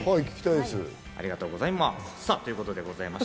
ありがとうございます。